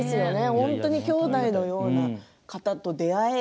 本当にきょうだいのような方と出会える。